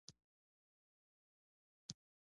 څنګه کولی شم د موبایل رسټور جوړ کړم